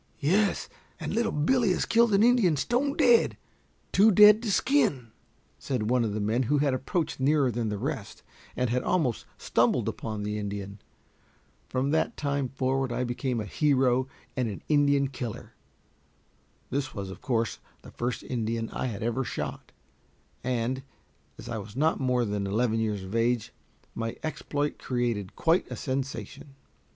"Yes, and little Billy has killed an Indian stone dead too dead to skin," said one of the men, who had approached nearer than the rest, and had almost stumbled upon the Indian. From that time forward I became a hero and an Indian killer. This was, of course, the first Indian I had ever shot, and as I was not then more than eleven years of age, my exploit created quite a sensation.